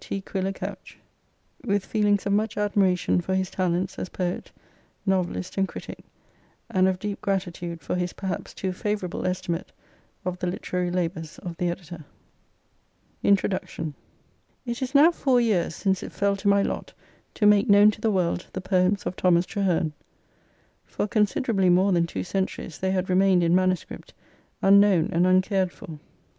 T. QUILLER COUCH With feelings of much admiration for his talents as poet, novelist and critic, and of deep gratitude for his perhaps too favourable estimate of the literary labours of THE EDITOR INTRODUCTION It is now four years since it fell to my lot to make known to the world the poems of Thomas Traherne, For considerably more than two centuries they had remained in manuscript, unknown and uncared for.